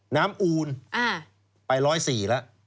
น้ำอูลไป๑๐๔แล้ว